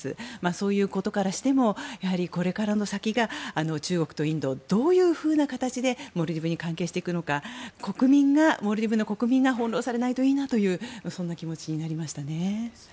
そういうことからしてもこれからの先が中国とインドがどういうふうな形でモルディブに関係してくるのかモルディブの国民が翻ろうされないといいなというそんな気持ちになりました。